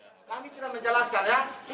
kami tidak menjelaskan ya